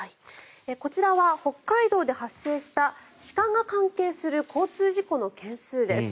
こちらは北海道で発生した鹿が関係する交通事故の件数です